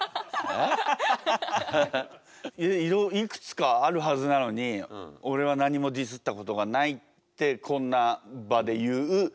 いくつかあるはずなのに「俺は何もディスったことがない」ってこんな場で言うディスり？